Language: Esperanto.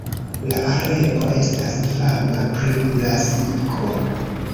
La areo estas fama pri brasiko.